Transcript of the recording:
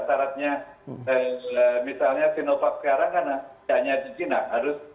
saratnya misalnya sinovac sekarang kan hanya di china harus